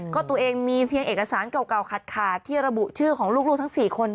ก็ตัวเองมีเพียงเอกสารเก่าขาดที่ระบุชื่อของลูกทั้ง๔คน